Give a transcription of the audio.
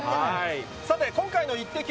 さて、今回のイッテＱ！